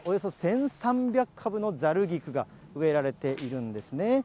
こちらにはおよそ１３００株のざる菊が植えられているんですね。